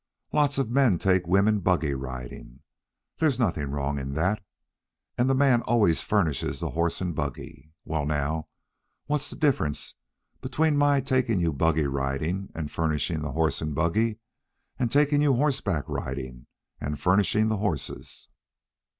"Lots of men take women buggy riding. There's nothing wrong in that. And the man always furnishes the horse and buggy. Well, now, what's the difference between my taking you buggy riding and furnishing the horse and buggy, and taking you horse back riding and furnishing the horses?"